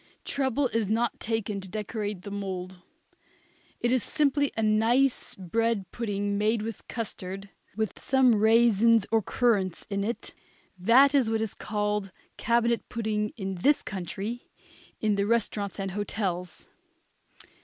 Trouble is not taken to decorate the mould. It is simply a nice bread pudding made with custard, with some raisins or currants in it. That is what is called cabinet pudding in this country in the restaurants and hotels.